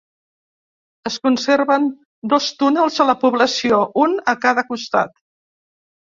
Es conserven dos túnels a la població, un a cada costat.